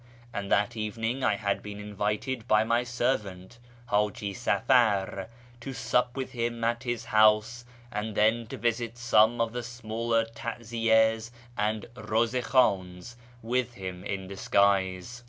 ; and that evening I had been invited by my servant Haji Safar to sup with him at his house and then to visit some of the smaller taziyas and ravjza hhivdns with him in disguise.